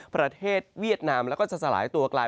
เวียดนามแล้วก็จะสลายตัวกลาย